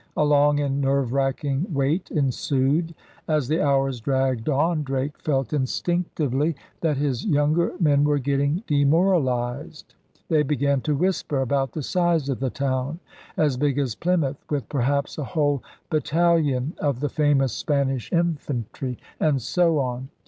A long and nerve racking wait ensued. As the hours dragged on, Drake felt instinctively that his younger men were getting demoralized. They began to whisper about the size of the town — 'as big as Plymouth' — with perhaps a whole battalion of the famous Spanish infantry, and so on.